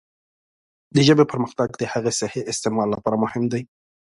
د ژبې پرمختګ د هغې د صحیح استعمال لپاره مهم دی.